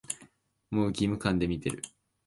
もう義務感で見てる